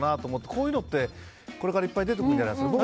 こういうのってこれからいっぱい出てくるんじゃないですかね。